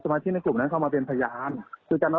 ไม่ได้แจ้งความคุณเค็นโด่